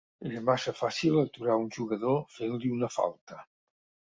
És massa fàcil aturar un jugador fent-li una falta.